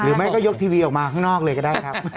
แม่ก็ยกทีวีออกมาข้างนอกเลยก็ได้ครับ